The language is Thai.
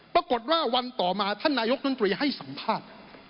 ปรากฏว่าวันต่อมาท่านนายกนุญตรีให้สัมภาษณ์